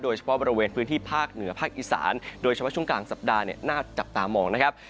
โดยเฉพาะบริเวณพื้นที่ภาคเหนือภาคอีสานโดยเฉพาะช่วงกลางสัปดาห์เนี่ยน่าจับตามองนะครับ